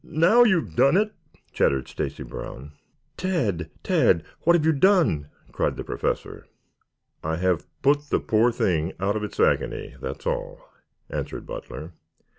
"N n n now you've done it," chattered Stacy Brown. "Tad, Tad! What have you done?" cried the Professor. "I have put the poor thing out of its agony, that's all," answered Butler.